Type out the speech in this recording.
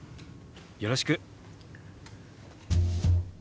よろしく。